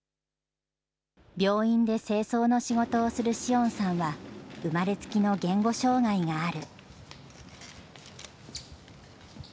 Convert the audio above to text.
病院で清掃の仕事をする詩音さんは、生まれつきの言語障害がある。